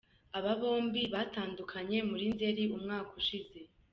Aba bombi batandukanye muri Nzeri umwaka ushize.